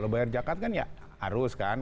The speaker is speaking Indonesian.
bayar zakat kan ya harus kan